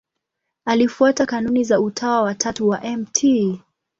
Alifuata kanuni za Utawa wa Tatu wa Mt.